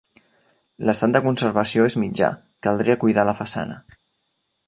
L'estat de conservació és mitjà, caldria cuidar la façana.